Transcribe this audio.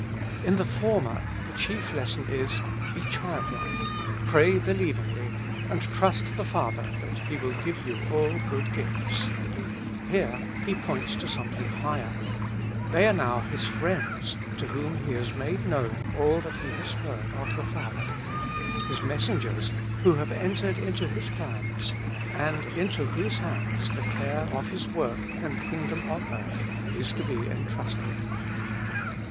In the former the chief lesson is : Be childlike, pray believingly, and trust the Father that He will give you all good gifts. Here He points to something higher: They are now His friends to whom He has made known all that He has heard of the Father ; His messengers, who have entered into His plans, and into whose hands the care of His work and kingdom on earth is to be entrusted.